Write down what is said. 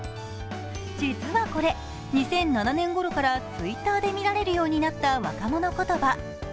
実はこれ、２００７年ごろからＴｗｉｔｔｅｒで見られるようになった若者言葉。